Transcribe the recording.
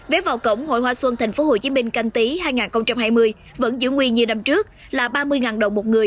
vé vào cổng hội hoa xuân tp hcm canh tí hai nghìn hai mươi vẫn giữ nguyên như năm trước là ba mươi đồng một người